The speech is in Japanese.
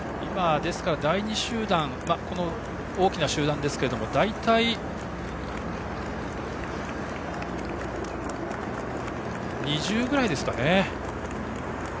ですから今、第２集団大きな集団になっていますけども大体２０ぐらいですかね。